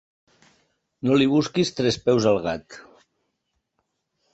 No li busquis tres peus al gat.